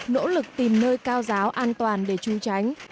nỗ lực tìm nơi cao giáo an toàn để trú tránh